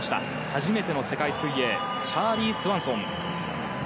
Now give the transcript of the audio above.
初めての世界水泳チャーリー・スワンソン。